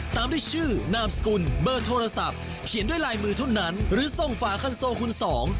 ตามด้วยชื่อนามสกุลเบอร์โทรศัพท์เขียนด้วยลายมือเท่านั้นหรือส่งฝาคันโซคุณสอง